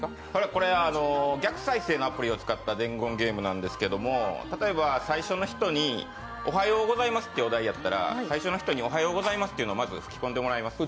これは逆再生のアプリを使った伝言ゲームなんですが例えば最初の人に「おはようございます」というお題やったら最初の人におはようございますというのをまず吹き込んでいただきます。